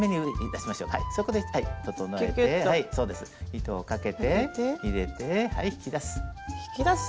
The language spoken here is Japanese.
糸をかけて入れてはい引き出す。